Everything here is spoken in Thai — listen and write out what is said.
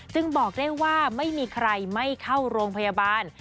บอกได้ว่าไม่มีใครไม่เข้าโรงพยาบาล